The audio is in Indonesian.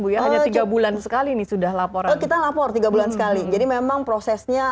bu ya hanya tiga bulan sekali nih sudah lapor kita lapor tiga bulan sekali jadi memang prosesnya